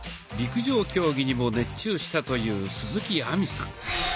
陸上競技にも熱中したという鈴木亜美さん。